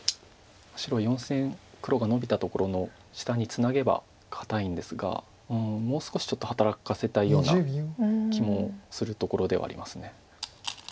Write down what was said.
白は４線黒がノビたところの下にツナげば堅いんですがもう少しちょっと働かせたいような気もするところではあります。